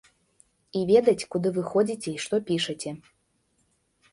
І ведаць, куды вы ходзіце і што пішаце.